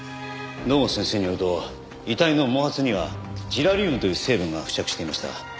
堂本先生によると遺体の毛髪にはジラリウムという成分が付着していました。